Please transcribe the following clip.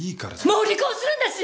もう離婚するんだし！